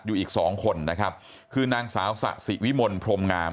อยู่อีกสองคนนะครับคือนางสาวสะสิวิมลพรมงาม